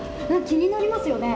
気になりますよね。